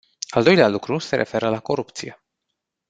Al doilea lucru se referă la corupție.